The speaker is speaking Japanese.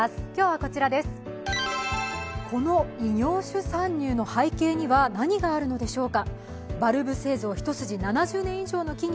この異業種参入の背景には何があるのでしょうか。